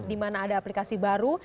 di mana ada aplikasi baru